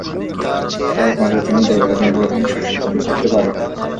তাই একমাত্র তুমিই দেবতার জন্য প্রথম শস্য বপন করতে পারো।